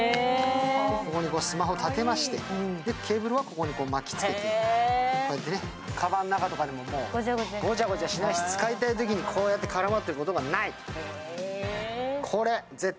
ここにスマホを立てましてケーブルはここに巻きつけてカバンの中とかもごちゃごちゃしないし、使いたいときに、絡まってることがない。